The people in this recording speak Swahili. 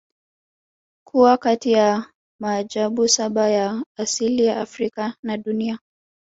Kuwa kati ya maajabu saba ya asili ya Afrika na dunia